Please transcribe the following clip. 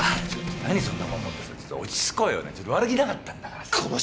何そんなもん持ってさちょっと落ち着こうよねぇちょっと悪気なかったんだからさ。